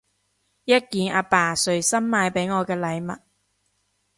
一件阿爸隨心買畀我嘅禮物